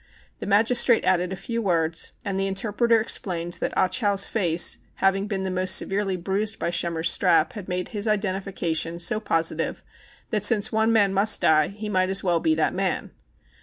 The magistrate added a few words, and the interpreter ex plained that Ah Chow's face having been most severely bruised by Schemmer's strap had made his identification so positive that, since one man must die, he might as well be that man.